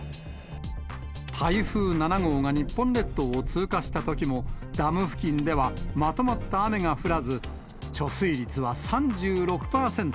台風７号が日本列島を通過したときも、ダム付近ではまとまった雨が降らず、貯水率は３６％。